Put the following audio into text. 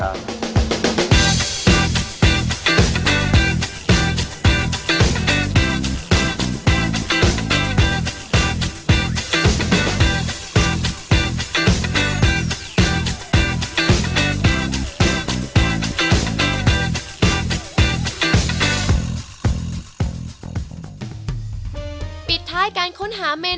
ก็เลยเริ่มต้นจากเป็นคนรักเส้น